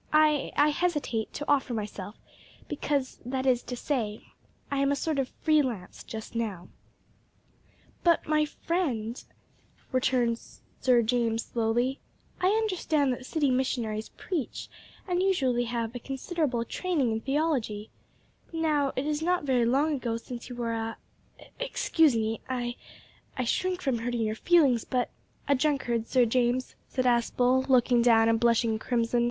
I I hesitate to offer myself, because that is to say, I am a sort of free lance just now." "But, my young friend," returned Sir James slowly, "I understand that city missionaries preach, and usually have a considerable training in theology; now, it is not very long ago since you were a excuse me I I shrink from hurting your feelings, but " "A drunkard, Sir James," said Aspel, looking down and blushing crimson.